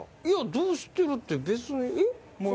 いやどうしてるって別にえっ？